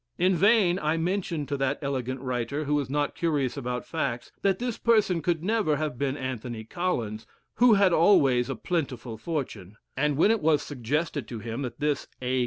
In vain I mentioned to that elegant writer, who was not curious about facts, that this person could never have been Anthony Collins, who had always a plentiful fortune; and when it was suggested to him that this 'A.